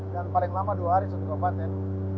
dan paling lama dua hari satu kabupaten